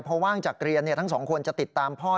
เพราะว่างจากเรียนทั้งสองคนจะติดตามพ่อ